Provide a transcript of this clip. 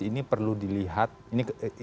ini perlu dilihat ini